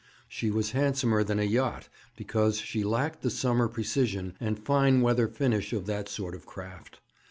She was handsomer than a yacht, because she lacked the summer precision and fine weather finish of that sort of craft.